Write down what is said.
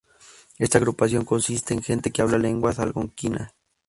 Esta agrupación consiste en gente que habla lenguas algonquinas.